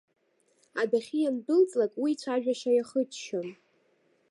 Адәахьы иандәылҵлак, уи ицәажәашьа иахыччон.